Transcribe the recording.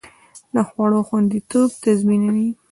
د خوړو خوندیتوب تضمینوي.